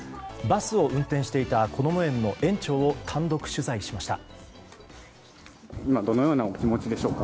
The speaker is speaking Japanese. バスを運転していたこども園の園長を単独取材しました。